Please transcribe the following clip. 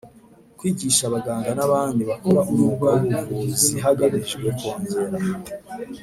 Kwigisha abaganga n abandi bakora umwuga w ubuvuzi hagamijwe kongera